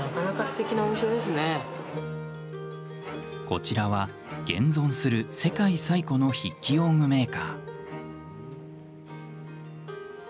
こちらは、現存する世界最古の筆記用具メーカー。